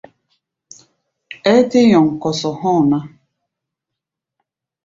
Ɛ́ɛ́ tɛ́ nyɔŋ kɔsɔ hɔ̧́ɔ̧ ná.